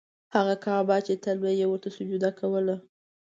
هغه کعبه چې تل به مې ورته سجده کوله.